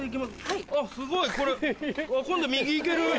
あっすごいこれ今度右行ける。